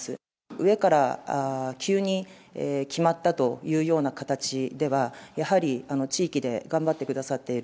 上から急に決まったというような形では、やはり地域で頑張ってくださっている